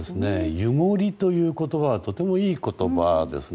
湯守という言葉はとてもいい言葉ですね。